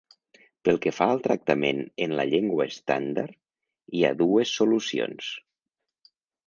Pel que fa al tractament en la llengua estàndard, hi ha dues solucions.